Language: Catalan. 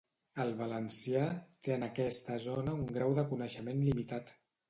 El valencià té en aquesta zona un grau de coneixement limitat.